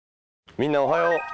みんなおはよう。